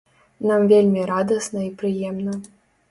Нам вельмі радасна і прыемна.